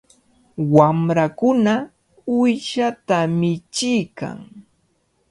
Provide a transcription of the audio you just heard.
Wamrakuna uyshata michiykan.